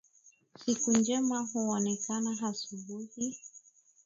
Siku njema huonekana asubuhi.